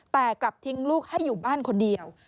แต่กลับทิ้งลูกให้อยู่บ้านคนเดียว